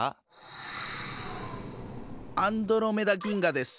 アンドロメダ銀河です。